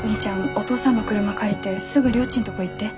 お父さんの車借りてすぐりょーちんとこ行って。